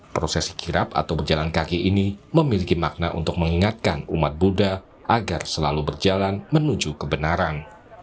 prosesi kirap atau berjalan kaki ini memiliki makna untuk mengingatkan umat buddha agar selalu berjalan menuju kebenaran